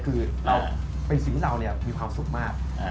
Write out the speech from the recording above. คือเราเป็นสิ่งที่เรามีความสุขมาก